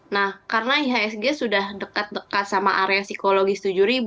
nah karena ihsg sudah dekat dekat sama area psikologis tujuh